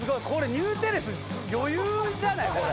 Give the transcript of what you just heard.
ニューテレス余裕じゃない？